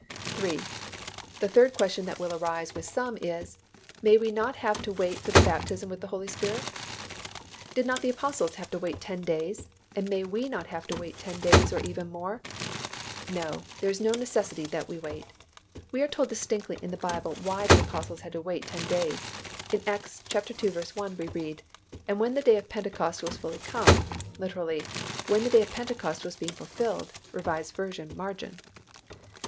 3. The third question that will arise with some is, _May we not have to wait for the baptism with the Holy __ Spirit?_ Did not the Apostles have to wait ten days, and may we not have to wait ten days or even more? No, there is no necessity that we wait. We are told distinctly in the Bible why the Apostles had to wait ten days. In Acts ii. 1, we read, "And when the day of Pentecost was fully come" (literally "When the day of Pentecost was being fulfilled," R. V., margin).